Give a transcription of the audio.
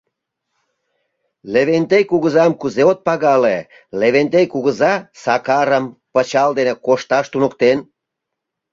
Левентей кугызам кузе от пагале, Левентей кугыза Сакарым пычал дене кошташ туныктен.